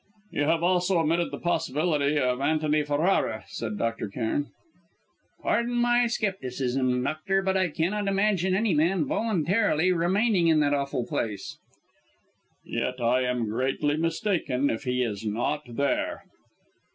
"You have also omitted the possibility of Antony Ferrara," said Dr. Cairn. "Pardon my scepticism, doctor, but I cannot imagine any man voluntarily remaining in that awful place." "Yet I am greatly mistaken if he is not there!"